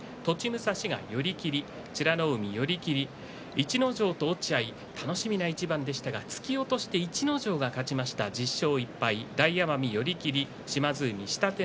逸ノ城と落合楽しみな一番でしたが突き落として逸ノ城が勝ちました１０勝１敗。